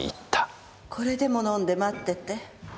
これでも飲んで待ってて。